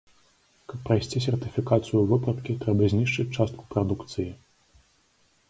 Каб прайсці сертыфікацыю вопраткі, трэба знішчыць частку прадукцыі.